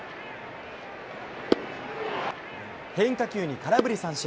変化球に空振り三振。